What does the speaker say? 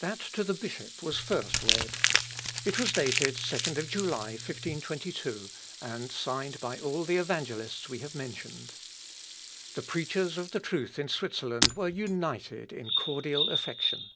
That to the bishop was first read. It was dated 2nd July, 1522, and signed by all the evangelists we have mentioned. The preachers of the truth in Switzerland were united in cordial affection.